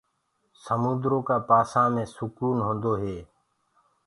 سموندرو ڪآ ڪِنآرآ مي سُڪون هوندو هي۔